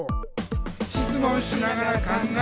「しつもんしながら考える！」